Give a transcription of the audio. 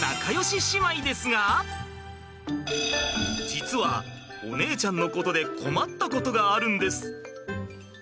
実はお姉ちゃんのことで困ったことがあるんです。